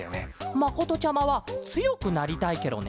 まことちゃまはつよくなりたいケロね。